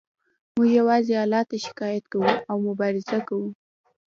موږ یوازې الله ته شکایت کوو او مبارزه کوو